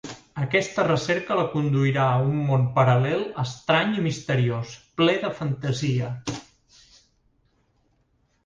Aquesta recerca la conduirà a un món paral·lel estrany i misteriós, ple de fantasia.